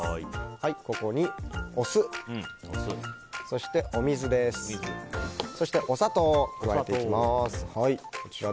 ここにお酢そして、お水、お砂糖を加えていきます。